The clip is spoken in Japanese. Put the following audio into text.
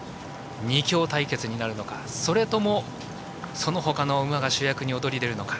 ２強対決になるのかそれとも、そのほかの馬が躍り出るのか。